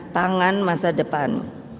pangan masa depan